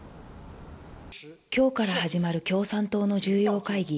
今日から始まる共産党の重要会議